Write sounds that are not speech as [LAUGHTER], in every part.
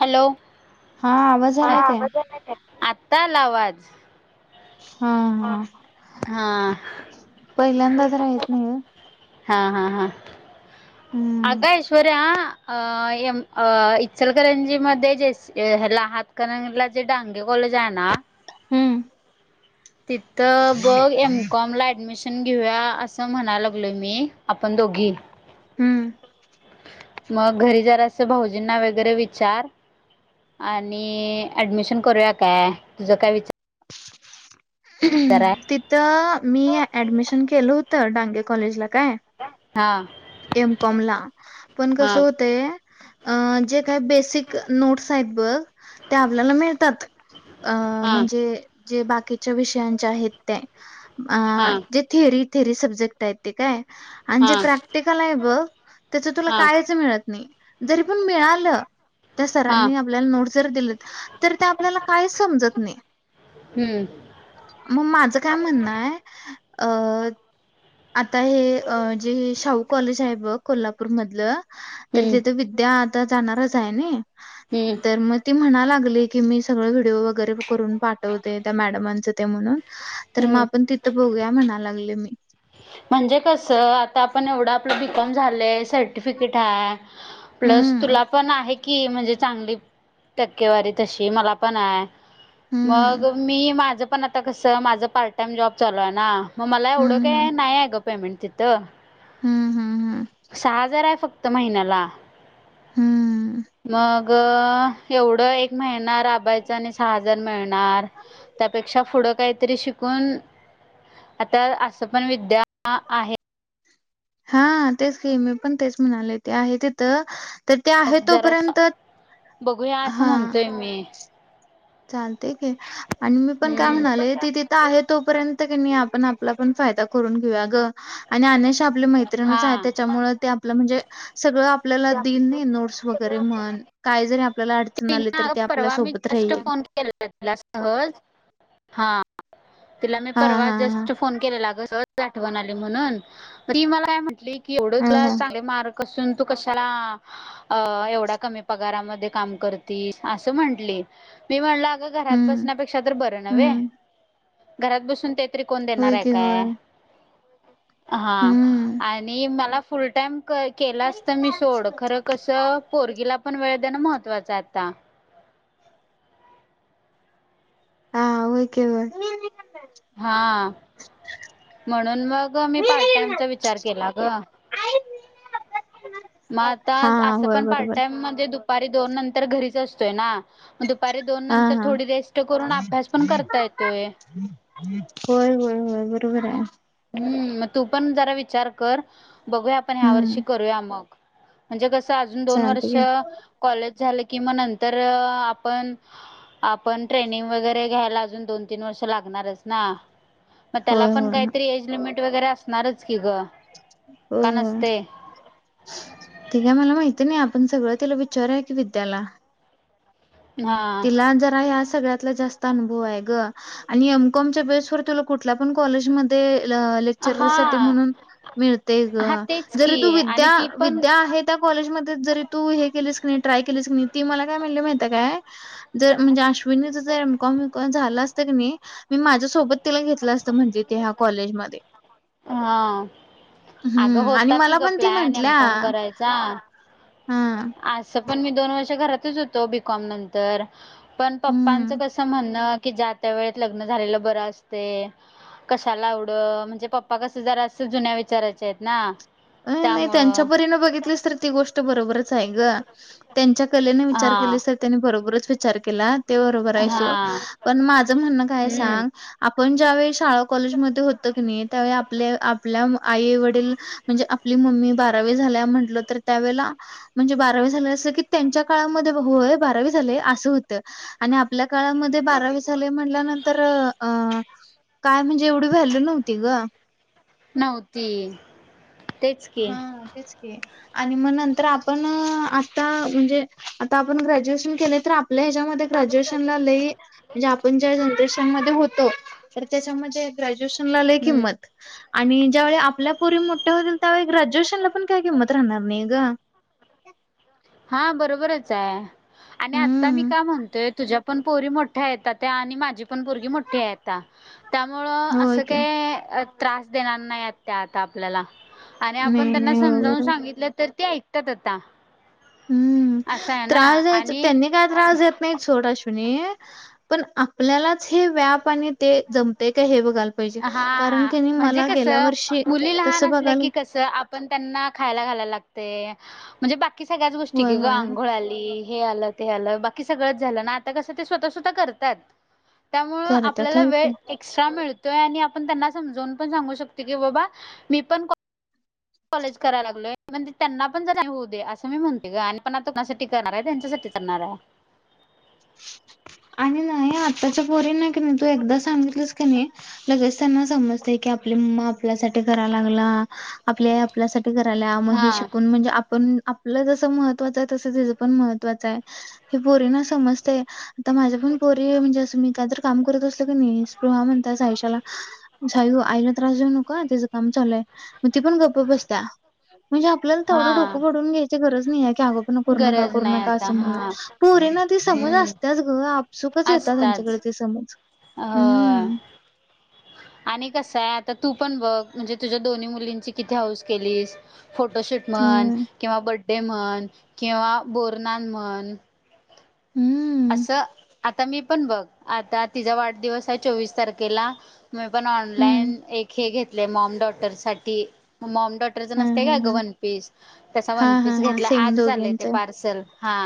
Hello हा आवाज आलाय काय? आत्ता आला आवाज. हा हा हा पहिल्यांदाच राहत नाही गं. हां हां हां. हम्म. आक्का ऐश्वर्या अ एम अ इच्छलकरंजी मध्ये जेस ह्याला हात करंगला जे डांगे कॉलेज आहे ना हम्म तिथं बघ एम कॉम ला ऍडमिश न घेऊया असं म्हणाय लागलोय मी आपण दोघी. हम्म. मग घरी जरा असं भाऊजींना वगैरे विचार आणि ऍडमिशन करूया काय तुझं काय विचा आहे तिथं मी ऍडमिशन केलं होतं डांगे कॉलेजला काय हा. एम कॉम ला पण हा कसं होतय अ जे काही बेसिक नोट्स आहेत बघ ते आपल्याला मिळतात. अ हा म्हणजे जे बाकीच्या विषयांच्या आहेत ते आ हा जे थेरी थेरी सब्जेक्ट आहे ते काय आणि हा जे प्रॅक्टकल आहे बघ त्याच तुला हा काय मिळत नाही जरी पण मिळालं त्या हा सरांनी आपल्याला नोटस जर दिले तर त्या आपल्याला काय समजत नाही. हम्म. मग माझं काय म्हणणं आहे अ आता हे अ जे हे शाहू कॉलेज आहे बघ कोल्हापूर मधलं तरी हम्म तिथं विद्या आता जाणारच आहे ना हम्म तर म ती म्हणा लागली की मी सगळं व्हिडिओ वगैरे करून पाठवते त्या मॅडमांचं ते म्हणून तर म हम्म आपण तिथं बघूया म्हणा लागले मी. म्हणजे कसं आता आपण एवढं आपलं बी कॉम झालंय सर्टिफिकेट हाय प्लस हम्म तुला पण आहे की म्हणजे चांगली टक्केवारी तशी मला पण आहे. हम्म मग मी माझं पण आता कसं माझा पार्ट टाइम जॉब चालू आहे ना. म मला एवढं हम्म काय नाय आहे गं पेमेंट तिथं. ह ह ह, सहा हजार आहे फक्त महिन्याला. हम्म ग एवढं एक महिणार आबायच आणि सहा हजार मिळणार. त्यापेक्षा पुढं काहीतरी शिकून. आता असं पण विद्या आहे. हा तेच की मी पण तेच म्हणाले ते आहे तिथं. तर ते आहे मग जरा तोपर्यंत बघूया असं हा. म्हणतोय मी चालते की आणि मी पण काय म्हणाले हम्म ती तिथं. तिथं आहे तोपर्यंत आपण आपला पण फायदा करून घेऊया ग आणि अश''--'' आपली मैत्रीण हा त्याच्यामुळे आप म्हणजे सगळ आपल्याला देईल नाही नोट्स वगैरे. तरी म्हण काय जरी आपल्याला अडचण आली तरी ती आपल्या सोबत राहील. के तिला सहज हा. तिला मी हा परवा हा जस्ट फोन केलेला ग सहज. आठवण आली म्हणून ती मला म्हटली की एवढं हा हा तुला हा चांगले मार्क. कसून तू कशाला अ एवढ्या कमी पगारामध्ये काम. करतीस अस म्हटली मी म्हणल अ घरात हम्म बसण्यापेक्षा तर बर नव्हे. हम्म घरात बसून तेतरी कोण देणार होय आहे की होय काय हा. हम्म आणि मला फुल टाइम क केला असत मी सोड खरं कसं पोरगीला. पण वेळ देणं महत्वाचं आहे आता. हा होय की होय. हा, म्हणून मग मी पार्ट टाइमचा विचार केला ग. म [INAUDIBLE] मग आता असं पण पार्ट टाइम मध्ये दुपारी दोन नंतर घरीच असतोय ना. दुपारी दोन हा नंतर हा थोडी रेस्ट करून अभ्यास पण करता येतोय. होय होय होय बरोबर आहे. हम्म मग तू पण जरा विचार कर बघूया आपण ह्या वर्षी हम्म करूया मग. म्हणजे कसं अजून दोन वर्ष चालतंय की कॉलेज झालं कि म नंतर आपण. आपण ट्रेनिंग वगैरे घ्यायला अजून दोन तीन वर्ष लागणारच ना. मग त्याला होय पण होय काहीतरी एज लिमिट वगैरे असणारच की ग. का होय होय. नसते ति काय मला माहिती नाही आपण सगळं तिला विचारय की विद्याला. हा तिला जरा ह्या सगळ्यातला जास्त अनुभव आहे ग. आणि एम कॉमच्या बेस व तुला कुठल्या पण कॉलेजमध्ये ल लेक्च''--'' चरर साठी हा. म्हणून मिळतय ग हा तेच जरी तू की आणि विद्या ती पण विद्या आहे. त्या कॉलेजमध्ये जरी तू हे केलीस की ट्राय केलीस क नाही ती मला काय म्हणली माहिती आहे काय. जर म्हणजे अश्विनीच एम् कॉम बी कॉम झालं असतं क नाही. मी माझ्यासोबत तिला घेतलं असतं म्हंटली ते ह्या कॉलेजमध्ये. हा अगं हम्म आणि होता की मला ग पण ती प्लॅन एम म्हंटल्या. कॉम करायचा. हां. असं पण मी दोन वर्ष घरातच होतो बीकॉम नंतर. पण हम्म. पप्पांचं कसं म्हणणं की ज''--'' त्या वेळ लग्न झालेलं बरं असते कशला एवड म्हणजे प्''--'' पप्पा कस असं जुन्या विचारायच्या आहेत ना. अ नाही त्यांच्या त्यामुळं परीन बघितलीच तर ती गोष्ट बरोबरच आहे ग. त्यांच्या कलेने विचार हा केले तर त्यांनी बरोबरच विचार केला. ते बरोबर आहे सोड हा पण माझं म्हणणं काय हाय हम्म सांग आपण ज्यावेळी शाळा कॉलेजमध्ये होत की नाही त्यावेळी आपल्या आपल्या आई वडील म्हणजे आपली मम्मी बारावी झाल्या म्हटलो तर त्यावेळेला म्हणजे बारावी झाले असं की त्यांच्या काळामध्ये होय बारावी झाले असं होतं. आणि आपल्या काळामध्ये बारावी झाले म्हटल्यानंतर अ काय म्हणजे एवढी व्हॅल्यू नव्हती ग नव्हती. तेच की हा तेच की आणि मग नंतर आपण आता म्हणजे आता आपण ग्रॅज्युएशन केले तर आपल्या ह्याच्यामध्ये ग्र्ज्युएशनला लई म्हणजे आपण ज्या जनरेशन मधे होतो तर त्याच्यामध्ये ग्रॅज्युएशनला लय हम्म किंमत आणि ज्यावेळी आपल्या पोरी मोठ्या होतील त्यावेळी ग्रॅज्युएशन ला पण काय किंमत राहणार नाही गं हा बरोबरचय आणि आता मी हम्म का म्हणतोय तुझ्या पण पोरी मोठ्यायता त्या आणि माझी पण पोरगी मोठीय आता त्यामुळं होय असं की काही त्रास देणार नाहीत त्या आता आपल्याला आणि आपण नाही त्यांना नाही समजावून बरोबर सांगितलं तर ते ऐकतात आता हम्म असं आहे ना त्रास द्यायच आणि त्यांनी काय त्रास देत सोड आश्विनी पण आपल्यालाच हे व्याप आणि ते जम तय का हे बघ बघायला पाहिजे हा कारण हा की म्हणजे मला गेल्या वर्षी तस बघाल तर आपण त्यांना खायला घायला लागतय म्हणजे बाकी सगळ्याच गोष्टी होय कि ग होय आंघोळ आली हे आलं ते आलं बाकी सगळंच झालं ना आता कसं ते स्वतः स्वतः करतायत त्यामुळं करतात आपल्याला होय वेळ की. एक्स्ट्रा मिळ व्हय आणि आपण त्यांना समजून पण सांगू शकतो की बाबा मी पण काॅ कॉलेज कराय लागलोय म्हणज त्यांना पण ज होऊ दे असं मी म्हणते ग आणि पण कोणासाठी करणारय त्यांच्यासाठी करणारय [INAUDIBLE] आणि नाही आत्ताच्या पोरींनाय की नाही तू एकदा सांगितलंस की नाही लगेच त्यांना समजते की आपली मम्मा आपल्यासाठी कराय लागल आपली आई आपल्यासाठी करायला म हा हे शिकून म्हणजे आपण आप पल जस महत्वाचय तसच हिच पण महत्वाचय ते आता माझ्या पण पोरी म्हणजे असं मी काहीत काम करत असलो की नाही स्प्रॄव्हा म्हणतात सायश्याला सायु आईला त्रास जाऊ नको आ तिजं काम चालूय मग ती पण गप्प बसत्या म्हणजे आपल्याला तेवढं हा डोकं फोडून घ्यायची गरज नाहीय की अग करू नका गरज करू नाही नका आता असं हा म्हणत पोरींना दिस समज हम्म असत्याच ग आपसुकच येत्या त्यांच्याकडे असताच ती समज होय हम्म आणि कसंय आता तू पण बघ म्हणजे तुझ्या दोन्ही मुलींची किती हौस केलीस फोटोशूट म्हणं होय किंवा बड्डे म्हणं किंवा बोरन्हान म्हणं हम्म असं आता मी पण बघ आता तिजा वाढदिवसय चोवीस तारखेला मी पण हम्म ऑनलाईन एक हे घेतलय मॉम डॉटर साठी मॉम डॉट [UNINTELLIGIBLE] हा नसतय हा का ग हा वन पीस? त्याचा हा हा वनपीस हा घेतला सेम आजच आलंय ते दोघींच पार्सल हा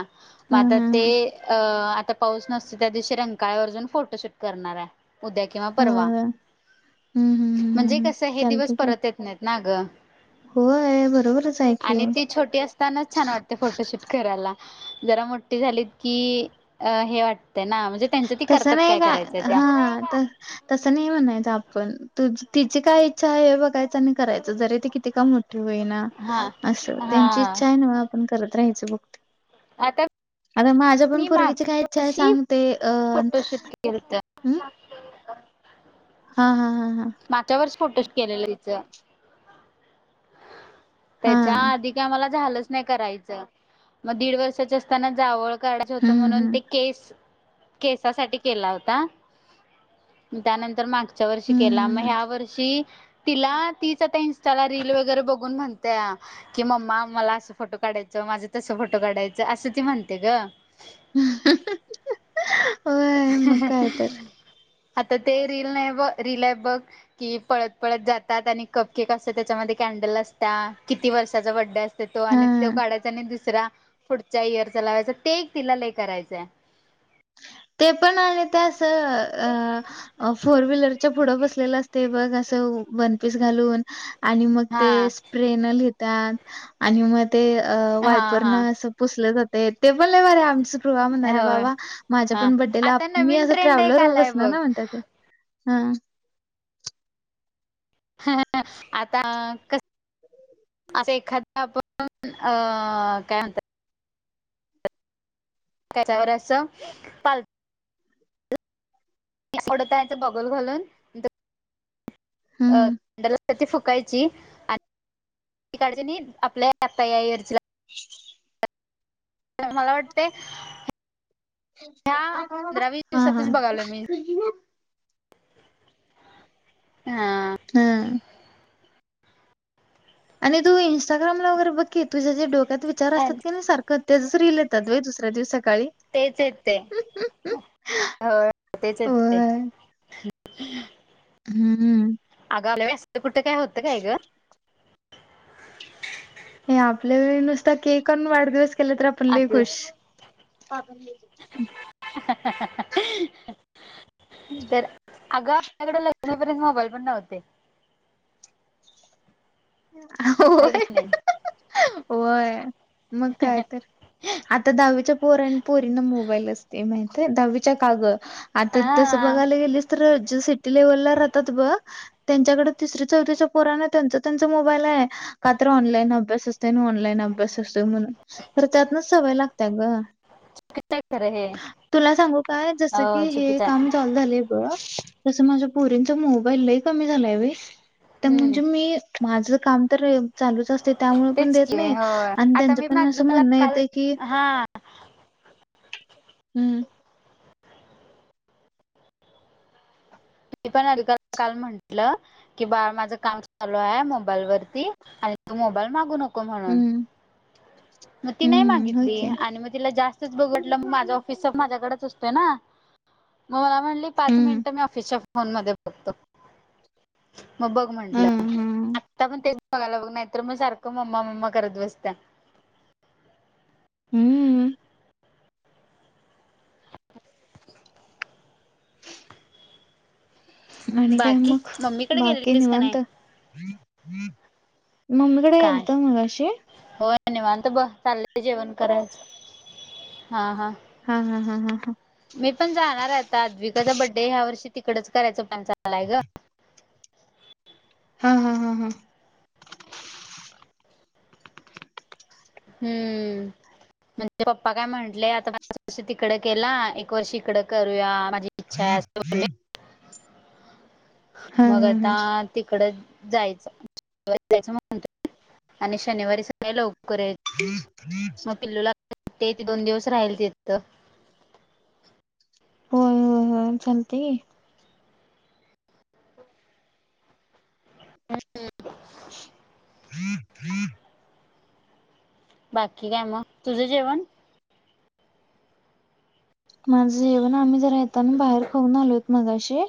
मग हा आता हा ते हा अ आता पाऊस नसतो त्या दिवशी रंकाळ्यावर जाऊन फोटोशूट करणाराय उद्या किंवा होय परवा होय हम्म हम्म हम्म म्हणजे हम्म हम्म कसं हे दिवस चालतंय की परत येत नाहीत ना गं होय बरोबरच आहे की आणि ती छोटी असतानाच छान वाटतय फोटोशूट करायला जरा मोठी झाली की अ हे वाट ते ना म्हणजे त्यांच्या ती तसं करतात नाही काय का करायच त्या हां तसं नाही म्हणायच आपण तु तिची काय इच्छा आहे बघायच कराय जरी ते किती काम मोठे होई ना हा अस त्यांची हा इच्छा आहे पण करत राहाचं बुक ते आता आता माझ्या पण मी फोरगीची काय मागच्या इचछा आहे वर्षी सांगते फोटोशूट क इरत हा हा हा हा माझ्यावरच फोटोशू केलेलं तिचं त्याच्या हां आधी का आमला झालंच नाही करायचं मग दीड वर्षाच असताना जावळ करायचं होत हं म्हणून हं ते केस केसासाठी केला होता म त्यानंतर मागच्या वर्षी हं केला हं मग हं ह्या वर्षी तिला तीच आता इंस्टाला रील वगैरे बघून म्हणत कि मम्मा मला असं फोटो काढायचं माझं तसं फोटो काढायचं असं ती म्हणते ग होय मग काय तर ह आता ते रील नाही ब रील आहे बघ कि पळत पळत जातात आणि कपकक असं त्याच्यामध्ये कॅन्डल असत किती वर्षाचा बड्डे असत तो आणि तो हां. काढायचा आणि दुसरा पुढच्या इयरचा लावायचा ते तिला लय करायचंय ते पण आले ते असं फोर व्हीलरच्या पुढं बसलेलं असते बघ अस बन पीस घालून आणि मग ते हा स्प्रे न घेतात आणि मग ते हा वायपरण हा अस पुोसले जाते ते पण ल बरे आमच कृवा म्हणाले होय बाबा माझ्या हा पण बड्डेला आता मी नवीन असं ट्रेंड एक ट्रॅव्हलर आलाय बसणार बघ ना म्हणत ते ह ह आता कस असं एखाद आपण अ काय म्हणतात त्याच्यावर असं पालथी आवडतयचं बगल घालून अ हं. कड फुकायची आणि का आपल्या आता यार ह मला वाट ह्या पंधरा वीस हां, दिवसातच हां. बघाल मी हा हा आणि तू इं्स्टाग्राला वगैरे बघकी तुझ जे डोक्यात विचार असताती नाही सारख क त्या जस रले येतात व दुसऱ्या दिवस सकाळी तेच येत ते तेच येत ते होय. हम्म अगाला वस्त कुठं काय होतं काय गं हे आपल्या नुसता केकून वाढदिवस केला तर आपण ल आपलं खूशण [INAUDIBLE] तर अगं आपल्याकडे लग्नापर्यंत मोबाईल पण नव्हते हो ह क नाही होय मग काय तर आता दहावीच्या पोरन पोरीना मोबाईल असते. [UNINTELLIGIBLE] दहावीच्या [UNINTELLIGIBLE] आता तसं हा बघायला गेलीस तर जे सिटी लेव्हलला राहतात बघ. त्यांच्याकडे तिसरी चौथीच्या पोराना त्यांचा त्यांचा मोबाईल आहे. का तर ऑनलाईन अभ्यास अस- त्याना ऑनलाईन अभ्यास असतोय म्हणून. तर त्यातनच सवय लागतात ग चुकीचं आहे खरं हे तुला सांगू का? जस हो की हे चुकीचं काम आहे चालू झालय - तस माझ्या पोरींचा मोबाईल लई कमी झालाय. व्हय तर हम्म म्हणजे मी- माझं काम तर चालूच असतय त्यामुळ- पण तेच देत की नाही. होय आणि आता त्यांच मी पण अस आद्विकाला म्हणणं काल येतय की- हा हम्म. [UNINTELLIGIBLE] काल म्हंटलं- कि बाळ माझं काम चालू आहे मोबाईल वरती. आणि तू मोबाईल मागू नको. म्हणून. हम्म मग ती नाही हम्म होय मागितली की आणि मग तिला जास्तच बघटलं मग माझा ऑफिसचा माझ्याकडेच असत- - तो ना? मग मला म्हटली पाच हम्म मिनिट मी ऑफिसच्या फोन मध्ये बघतो. मग बघ म्हंटलं. हम्म हम्म आत्ता पण ते- बघाला बघ. नाहीतर मग सारखं मम्मा मम्मा करत बसतेया. हम्म. आणि काय बाकी मग? मम्मीकडे बाकी गेलेलीस का नाही निवांत? मम्मीकडे काय गेलता मगाशी? होय. निवांत बघ. चाललंय जेवण करायच. हा हा. हा हा हा हा ह. मी पण जाणारे आता. आद्विकाचा बड्डे ह्या वर्षी तिकडच करायचं प्लॅन चाललाय ग. हा हा. हा हा हम्म. म्हणजे पप्पा काय म्हटले? आता मागच्या वर्षी तिकडं केला. एक वर्षी इकडं करूया. माझी इच्छा आहे अस बोलले. हा मग हा आता हा तिकडच जायचं. [UNINTELLIGIBLE] आणि शनिवारी सकाळी लवकर यायच. हम मग पिल्लूला [UNINTELLIGIBLE] दोन दिवस राहिल तिथं. हं. हं. हं. [UNINTELLIGIBLE] हम्म हम् बाकी काय मग? तुझं जेवण? माझं जेवण, आम्ही जरा येताना बाहेर खाऊन आलोत मगाशी.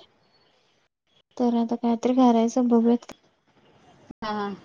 तर आता काहीतरी करायचं. बघूयात का- हा हां.